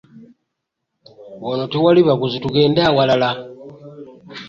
Wano tewali baguzi tugende ewalala.